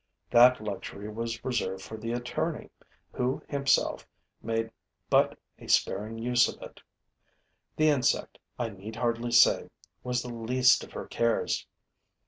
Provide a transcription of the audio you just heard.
That luxury was reserved for the attorney, who himself made but a sparing use of it. The insect, I need hardly say, was the least of her cares.